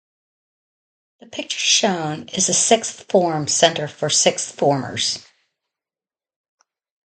The picture shown is the sixth form centre for sixth formers.